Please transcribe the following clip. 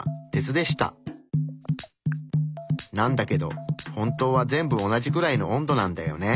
なんだけど本当は全部同じくらいの温度なんだよね。